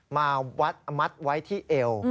มามัดไว้ที่เอว